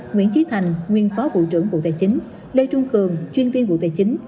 nguyễn trí thành nguyên phó vụ trưởng bộ tài chính lê trung cường chuyên viên bộ tài chính